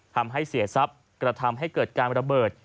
ทำให้เสียทรัพย์กระทำให้เกิดการระเบิด